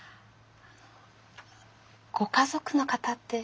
ご家族の方って。